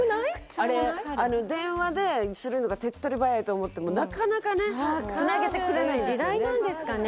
あれ電話でするのが手っ取り早いと思ってもなかなかねつなげてくれないんですよ時代なんですかね？